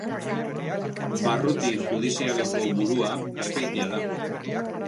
Barruti judizialeko burua Azpeitia da.